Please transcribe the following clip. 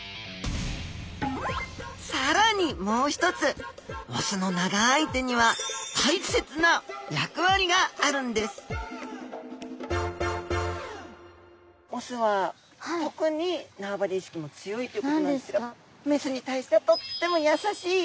更にもう一つ雄の長い手には大切な役割があるんです雄は特に縄張り意識も強いということなんですがそうなの。